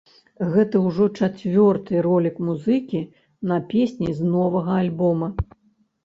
Гэта ўжо чацвёрты ролік музыкі на песні з новага альбома.